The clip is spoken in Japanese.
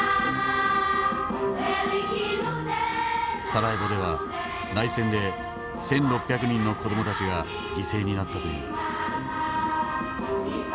サラエボでは内戦で１，６００人の子どもたちが犠牲になったという。